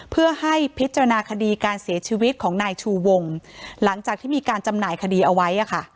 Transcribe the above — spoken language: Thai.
เพื่อให้พิจารณาคดีการเสียชีวิตของนายชูวงหลังจากที่มีการจำหน่ายคดีเอาไว้